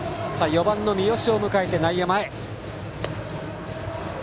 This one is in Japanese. ４番の三好を迎えて内野前。